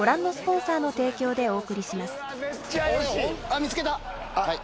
見つけた！